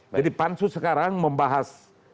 jadi pansu sekarang membahas